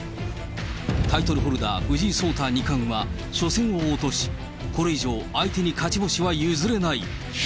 タイトルホルダー、藤井聡太二冠は初戦を落とし、これ以上相手に勝ち星は譲れない。